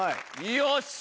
よっしゃ！